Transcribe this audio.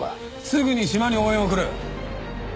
すぐに島に応援を送る。